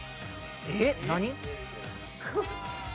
えっ何？